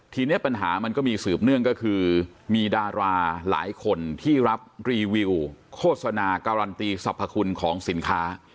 ทีนี้ปัญหามันก็มีสืบเนื่องก็คือมีดาราหลายคนที่รับรีวิวโฆษณาการันตีสรรพคุณของสินค้า